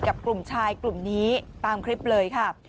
กลุ่มชายกลุ่มนี้ตามคลิปเลยค่ะ